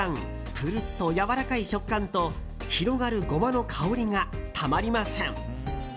ぷるっとやわらかい食感と広がるゴマの香りがたまりません。